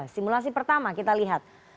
simulasi pertama kita lihat